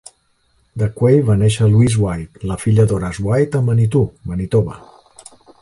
Dacquay va néixer Louise White, la filla d'Horace White, a Manitou, Manitoba.